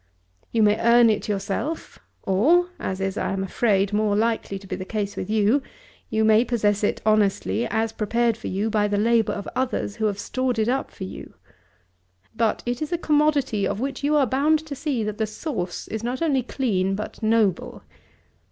You may earn it yourself, or, as is, I am afraid, more likely to be the case with you, you may possess it honestly as prepared for you by the labour of others who have stored it up for you. But it is a commodity of which you are bound to see that the source is not only clean but noble.